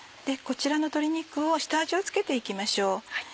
こちらの鶏肉を下味を付けて行きましょう。